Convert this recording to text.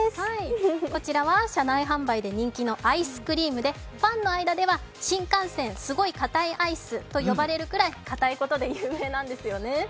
こちらは車内販売で人気のアイスクリームで、ファンの間ではシンカンセンスゴイカタイアイスと呼ばれるくらいかたいことで有名なんですよね。